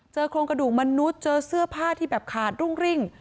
โครงกระดูกมนุษย์เจอเสื้อผ้าที่แบบขาดรุ่งริ่ง